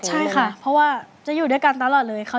ใช่ค่ะเพราะว่าจะอยู่ด้วยกันตลอดเลยค่ะ